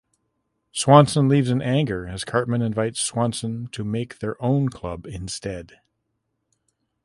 Swanson leaves in anger as Cartman invites Swanson to make their own club instead.